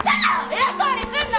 偉そうにすんな！